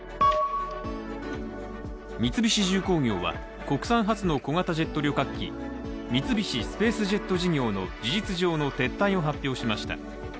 三菱重工業は国産初の小型ジェット旅客機三菱スペースジェット事業の事実上の撤退を発表しました。